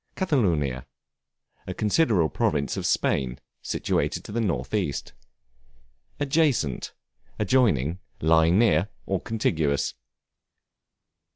Catalonia, a considerable province of Spain, situated to the north east. Adjacent, adjoining, lying near, or contiguous.